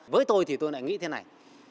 với tôi thì tôi lại nghĩ thế này